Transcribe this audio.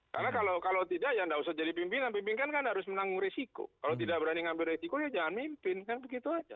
karena kalau tidak ya tidak usah jadi pimpinan pimpinan kan harus menanggung resiko kalau tidak berani mengambil resiko ya jangan mimpin kan begitu saja